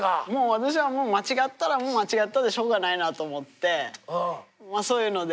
私はもう間違ったら間違ったでしょうがないなと思ってそういうので。